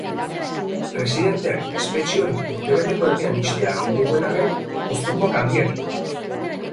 Presidenteak espetxe hori urtebeteko epean ixtea agindu duen arren, oztopoak handiak dira.